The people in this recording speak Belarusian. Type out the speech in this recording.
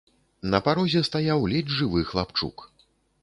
На парозе стаяў ледзь жывы хлапчук.